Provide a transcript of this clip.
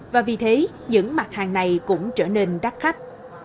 và vì thế những mặt hàng này cũng trở nên đắt khách